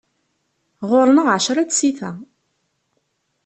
Ɣur-neɣ εecra tsita.